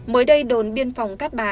mới đây đồn biên phòng cát bà